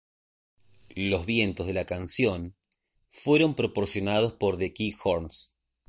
Los vientos de la canción fueron proporcionados por The Kick Horns.